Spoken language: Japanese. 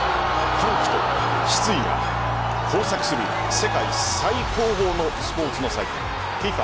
歓喜と失意が交錯する世界最高峰のスポーツの祭典ＦＩＦＡ